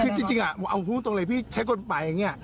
คือจริงเอาพูดตรงเลยพี่ใช้กฎหมายอย่างนี้